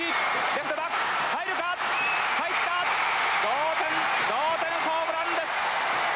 同点同点ホームランです。